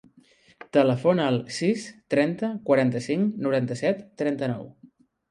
Telefona al sis, trenta, quaranta-cinc, noranta-set, trenta-nou.